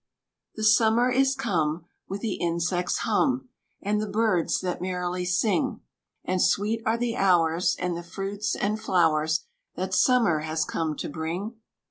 The Summer is come With the insect's hum, And the birds that merrily sing. And sweet are the hours, And the fruits and flowers, That Summer has come to bring.